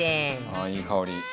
ああいい香り。